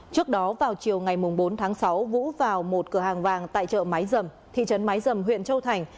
trước đó vào chiều ngày bốn tháng sáu vũ vào một cửa hàng vàng tại chợ máy dầm thị trấn mái dầm huyện châu thành